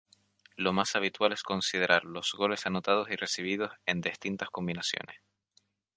Lo más habitual es considerar los goles anotados y recibidos, en distintas combinaciones.